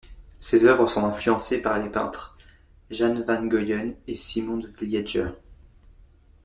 Ses œuvres sont influencées par les peintres Jan van Goyen et Simon de Vlieger.